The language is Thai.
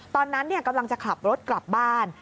ตอนนั้นกำลังจะขับรถกลับบ้าน